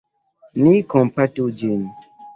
Ni kompatu ĝin.